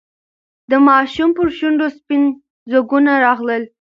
د ماشوم پر شونډو سپین ځگونه راغلل.